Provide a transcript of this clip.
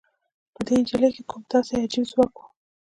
په دې نجلۍ کې کوم داسې عجيب ځواک و؟